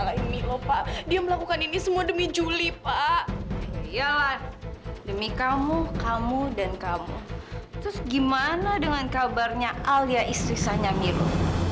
gimana dengan kabarnya alia istri sanya milo